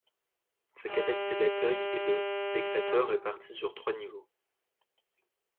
Sa capacité d'accueil est de spectateurs, répartis sur trois niveaux.